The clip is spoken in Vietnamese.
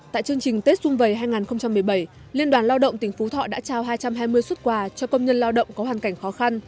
tại chương trình tết xuân vầy hai nghìn một mươi bảy liên đoàn lao động tỉnh phú thọ đã trao hai trăm hai mươi xuất quà cho công nhân lao động có hoàn cảnh khó khăn